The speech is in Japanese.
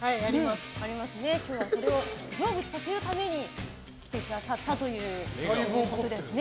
今日はそれを成仏させるために来てくださったということですね。